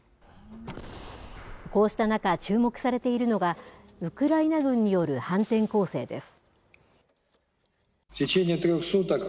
こうした中、注目されているのが、ウクライナ軍による反転攻勢です。